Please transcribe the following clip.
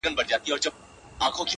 دا اختر د نوي پیل وخت دی